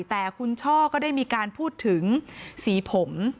แต่คุณช่อก็ได้มีการพูดถึงสีผม